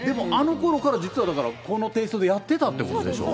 あのころから実は、このテイストでやってたってことでしょう。